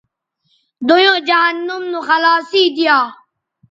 دویوں جہنم نو خلاصی دی یا